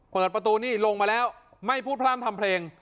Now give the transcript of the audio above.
เปิดประตูนี่ลงมาแล้วไม่พูดพร่ำทำเพลง